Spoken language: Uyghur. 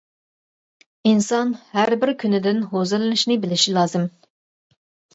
ئىنسان ھەر بىر كۈنىدىن ھۇزۇرلىنىشنى بىلىشى لازىم.